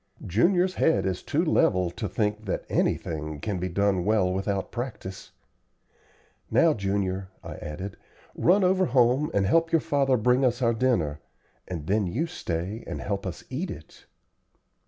Junior's head is too level to think that anything can be done well without practice. Now, Junior," I added, "run over home and help your father bring us our dinner, and then you stay and help us eat it."